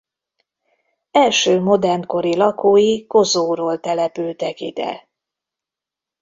Első modern kori lakói Gozóról települtek ide.